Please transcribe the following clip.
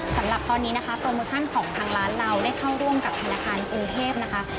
สำหรับตอนนี้นะคะโปรโมชั่นของทางร้านเราได้เข้าร่วมกับธนาคารกรุงเทพนะคะ